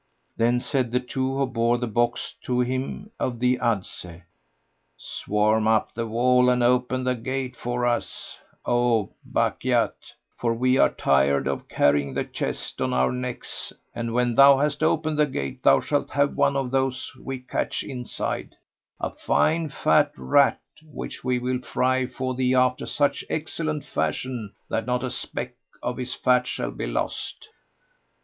Then said the two who bore the box to him of the adze, "Swarm up the wall and open the gate for us, O Bukhayt, for we are tired of carrying the chest on our necks; and when thou hast opened the gate thou shalt have one of those we catch inside, a fine fat rat which we will fry for thee after such excellent fashion that not a speck of his fat shall be lost."